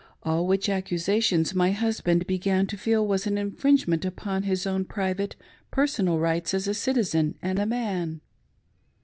^all which accusations my hus^ band began to feel was an infringement upon his own private personal rights as a citizen and a man.